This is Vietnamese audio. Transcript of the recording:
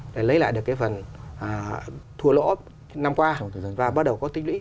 để lấy lại được cái phần thua lỗ những năm qua và bắt đầu có tích lũy